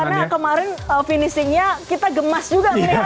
karena kemarin finishingnya kita gemas juga melihatnya